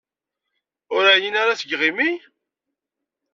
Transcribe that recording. Ur εyin ara seg yiɣimi?